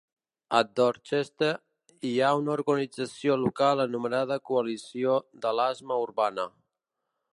A Dorchester hi ha una organització local anomenada Coalició de l'Asma Urbana.